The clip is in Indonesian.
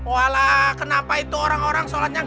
wala kenapa itu orang orang sholatnya